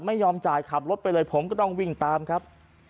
ไม่ยอมจ่ายขับรถไปเลยผมก็ต้องวิ่งตามครับ